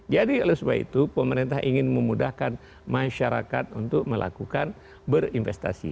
jadi oleh sebab itu pemerintah ingin memudahkan masyarakat untuk melakukan berinvestasi